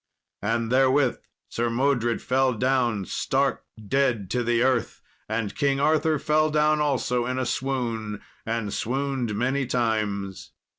And therewith Sir Modred fell down stark dead to the earth, and King Arthur fell down also in a swoon, and swooned many times.